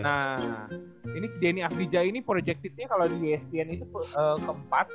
nah ini si danny avdija ini projectednya kalo di espn itu ke empat